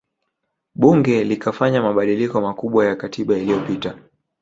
Bunge likafanya mabadiliko makubwa ya katiba iliyopita